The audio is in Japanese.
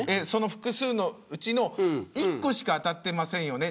複数のうちの１個しか当たってませんよね。